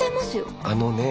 あのね。